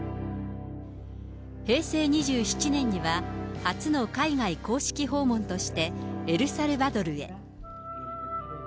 平成２７年には、初の海外公式訪問として、エルサルバドルへ。